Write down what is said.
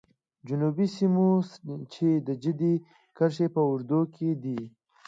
جنوبي سیمو چې د جدي کرښې په اوږدو کې دي.